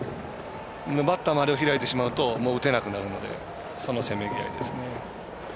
バッター、あれを開いてしまうと打てなくなるのでそのせめぎあいですね。